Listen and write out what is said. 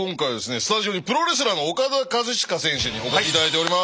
スタジオにプロレスラーのオカダ・カズチカ選手にお越し頂いております。